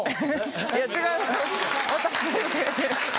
いや違う私。